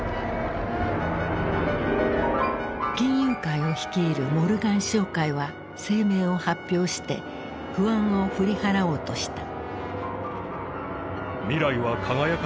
金融界を率いるモルガン商会は声明を発表して不安を振り払おうとした。